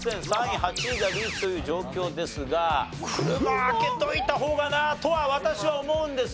第８位がリーチという状況ですが車開けといた方がなとは私は思うんですがね。